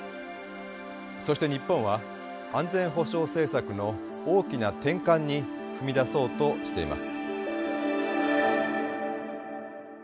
そして日本は安全保障政策の大きな転換に踏み出そうとしています。